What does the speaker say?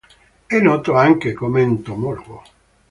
È noto anche come entomologo.